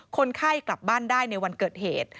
คนไข้กลับบ้านได้ในวันเกิดเหตุ